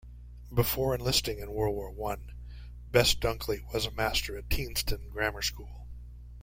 Before enlisting in World War One, Best-Dunkley was a Master at Tienstin Grammar School.